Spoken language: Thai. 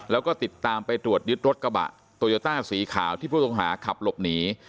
แล้วก็ติดตามไปตรวจยึดรถกระบะโตโยต้าสีขาวที่ผู้ต้องหาขับหลบหนี